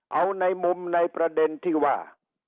เอาในมุมในประเด็นที่ว่า